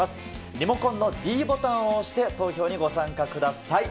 リモコンのｄボタンを押して、投票にご参加ください。